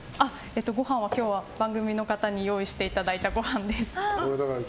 ご飯は今日は、番組の方に用意していただいたご飯です。